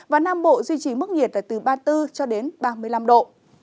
và nam bộ duy trì mức nhiệt là từ ba mươi bốn cho đến ba mươi năm độ